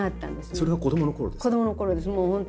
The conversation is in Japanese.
それは子どものころですか？